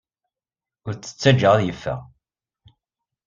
Ur t-ttajja ad yeffeɣ.